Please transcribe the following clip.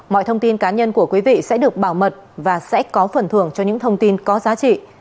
mọi thông tin cá nhân của quý vị sẽ được bảo mật và sẽ có phần thưởng cho những thông tin có giá trị